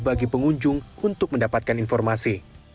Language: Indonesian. bagi pengunjung untuk mendapatkan informasi